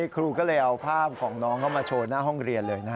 ครูก็เลยเอาภาพของน้องเข้ามาโชว์หน้าห้องเรียนเลย